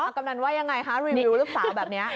กำนันว่ายังไงคะรีวิวลูกสาวแบบนี้